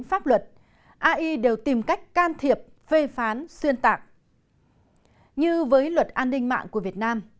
pháp luật ai đều tìm cách can thiệp phê phán xuyên tạc như với luật an ninh mạng của việt nam